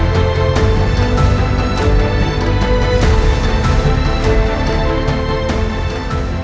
โปรดติดตามตอนต่อไป